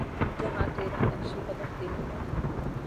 جہاں تیرا نقشِ قدم دیکھتے ہیں